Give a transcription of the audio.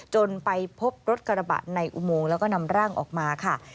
จนไปพบรถกระบะในอุโมงแล้วก็นำร่างออกมาค่ะ